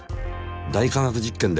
「大科学実験」で。